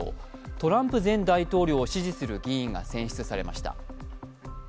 トランプ前大統領を支持する議員が選出されました。